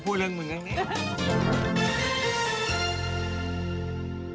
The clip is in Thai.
เธอด้วย